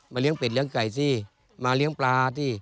มาเลี้ยงเป็ดเลี้ยงไก่ที่มาเลี้ยงปลาที่